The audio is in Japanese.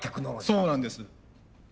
そうなんです。